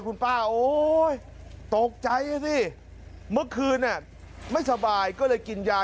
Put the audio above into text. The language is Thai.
คุณป้าโอ๊ยตกใจนะสิเมื่อคืนไม่สบายก็เลยกินยา